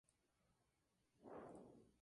El sencillo se ubicó en la posición No.